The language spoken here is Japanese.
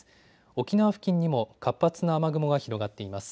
沖縄付近にも活発な雨雲が広がっています。